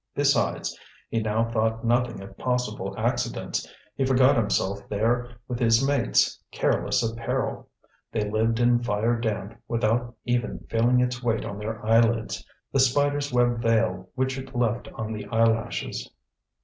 Besides, he now thought nothing of possible accidents; he forgot himself there with his mates, careless of peril. They lived in fire damp without even feeling its weight on their eyelids, the spider's web veil which it left on the eyelashes.